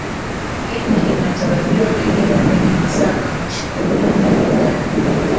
ini inatarajiwa pengine kwenye masaa kama ishirini na nne yajayo